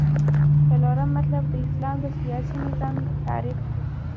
څلورم مطلب : د اسلام د سیاسی نظام تعریف